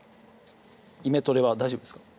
イメトレは大丈夫ですか？